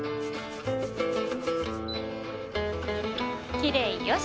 きれいよし！